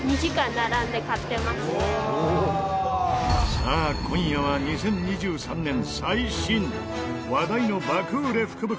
さあ、今夜は、２０２３年最新話題の爆売れ福袋